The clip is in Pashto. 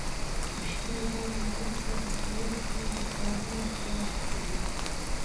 د شپې دا وخت دلته یو شمېر دوکانونه خلاص دي.